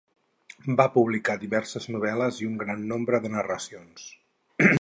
Va publicar diverses novel·les i un gran nombre de narracions.